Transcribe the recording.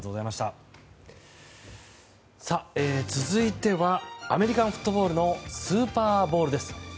続いてはアメリカンフットボールのスーパーボウルです。